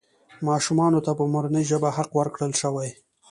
ماشومانو ته په مورنۍ ژبه حق ورکړل شوی.